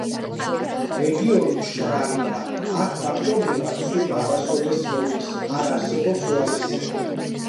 რეგიონი მშრალია; აქ, ფაქტობრივად, წვიმა არასოდეს მოდის, არ არსებობს ოაზისები.